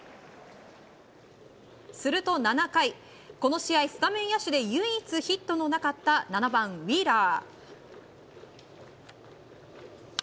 すると７回この試合スタメン野手で唯一ヒットのなかった７番、ウィーラー。